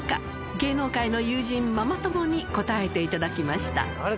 芸能界の友人ママ友に答えていただきました